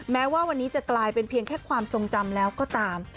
แม้ว่าวันนี้จะกลายเป็นเพียงแค่ความทรงจำแล้วก็ตาม